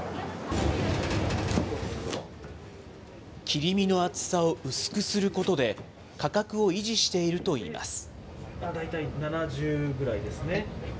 切り身の厚さを薄くすることで、価格を維持しているといいます。